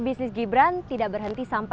biasanya buat apa